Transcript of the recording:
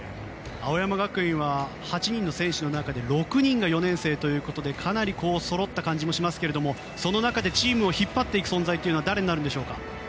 青山学院は８人の選手の中で６人が４年生ということでかなりそろった感じもしますけどその中でチームを引っ張っていく存在は誰になるんでしょうか。